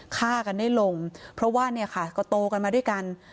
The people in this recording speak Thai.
ฆ่ากันได้ลงเพราะว่าเนี่ยค่ะก็โตกันมาด้วยกัน